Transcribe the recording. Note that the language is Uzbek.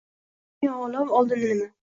Zulmatmi yo olov – oldinda nima?